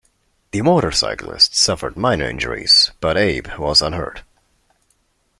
The motorcyclist suffered minor injuries, but Abe was unhurt.